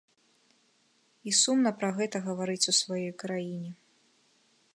І сумна пра гэта гаварыць у сваёй краіне.